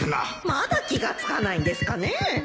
まだ気が付かないんですかね